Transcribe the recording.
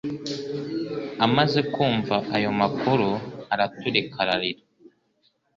Amaze kumva ayo makuru araturika ararira